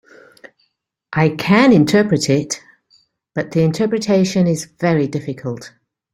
I can interpret it, but the interpretation is very difficult.